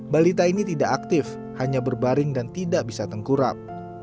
balita ini tidak aktif hanya berbaring dan tidak bisa tengkurap